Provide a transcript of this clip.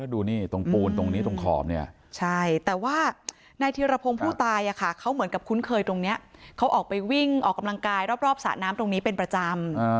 ดูนี่ตรงปูนตรงนี้ตรงขอบเนี่ยใช่แต่ว่านายธิรพงศ์ผู้ตายเขาเหมือนกับคุ้นเคยตรงนี้เขาออกไปวิ่งออกกำลังกายรอบสระน้ำตรงนี้เป็นประจำ